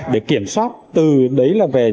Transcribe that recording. để kiểm soát từ đấy là về